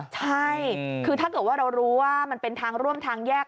ใช่คือถ้าเกิดว่าเรารู้ว่ามันเป็นทางร่วมทางแยก